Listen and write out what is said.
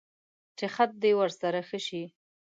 چې خط دې ورسره ښه شي.